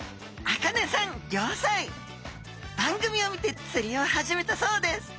番組を見てつりを始めたそうです。